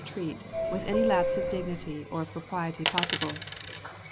Treat, was any lapse of dignity or of propriety possible.